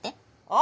あ！